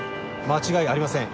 間違いありません。